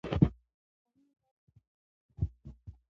د قانون اطاعت عدالت راولي